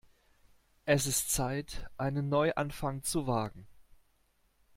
Es ist Zeit, einen Neuanfang zu wagen.